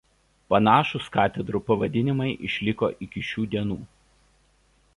Panašūs katedrų pavadinimai išliko iki šių dienų.